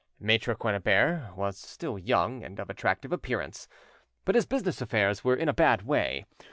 Maitre Quennebert was still young and of attractive appearance, but his business affairs were in a bad way.